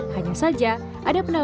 hanya saja ada penambahan materi pelajaran